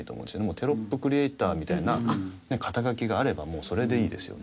テロップクリエーターみたいな肩書があればもうそれでいいですよね。